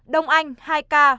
đông anh hai ca